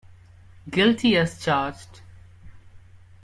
Guilty as charged.